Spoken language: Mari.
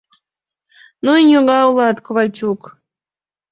— Ну и ньога улат, Ковальчук!